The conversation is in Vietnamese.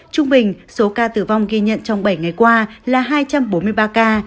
trung bình số ca tử vong ghi nhận trong bảy ngày qua là hai trăm bốn mươi ba ca